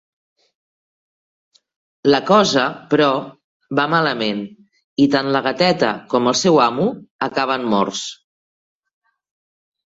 La cosa, però, va malament i tant la gateta com el seu amo acaben morts.